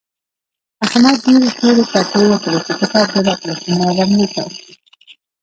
احمد ډېرې تورې تپې وکړې چې کتاب دې راکړه خو ما ور نه کړ.